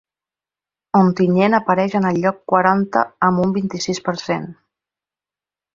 Ontinyent apareix en el lloc quaranta amb un vint-i-sis per cent.